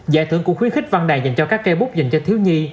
giải thưởng cũng khuyến khích văn đài dành cho các cây bút dành cho thiếu nhi